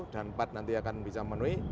dan empat nanti akan bisa memenuhi